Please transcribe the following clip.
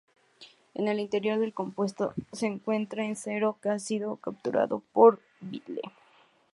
En el interior del compuesto, X encuentra que Zero ha sido capturado por Vile.